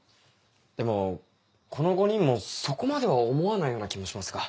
でもこの５人もそこまでは思わないような気もしますが。